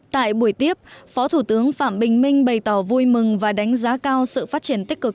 tại buổi tiếp phó thủ tướng phạm bình minh bày tỏ vui mừng và đánh giá cao sự phát triển tích cực